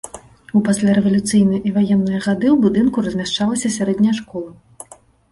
У паслярэвалюцыйныя і ваенныя гады ў будынку размяшчалася сярэдняя школа.